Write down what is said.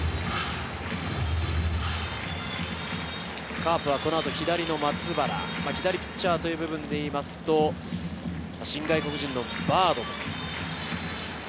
カープはこの後、左の松原、左ピッチャーという部分でいいますと、新外国人のバード。